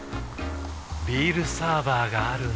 ビールサーバーがある夏。